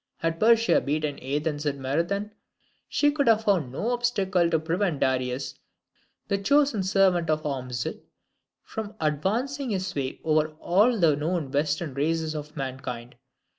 Had Persia beaten Athens at Marathon, she could have found no obstacle to prevent Darius, the chosen servant of Ormuzd, from advancing his sway over all the known Western races of mankind.